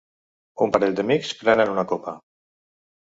Un parell d'amics prenen una copa